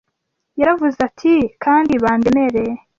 Yaravuze iti: “Kandi bandemere